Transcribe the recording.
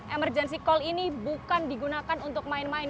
emergency call ini bukan digunakan untuk main main